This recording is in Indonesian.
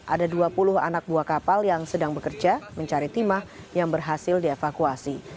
ada dua puluh anak buah kapal yang sedang bekerja mencari timah yang berhasil dievakuasi